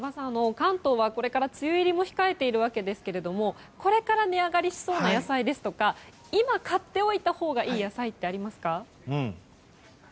関東はこれから梅雨入りを控えているんですがこれから値上がりしそうな野菜や今買っておいたほうがいい野菜ってありますか。